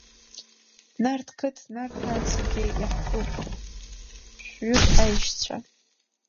Нарҭқыҭ Нарҭаа зегьы иаҳтәуп, шәҩык аишьцәа.